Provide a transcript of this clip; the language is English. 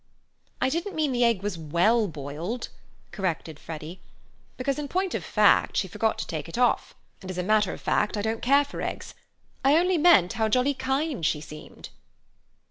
"I didn't mean the egg was well boiled," corrected Freddy, "because in point of fact she forgot to take it off, and as a matter of fact I don't care for eggs. I only meant how jolly kind she seemed."